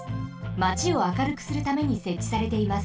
マチを明るくするためにせっちされています。